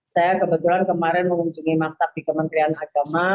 saya kebetulan kemarin mengunjungi maktab di kementerian agama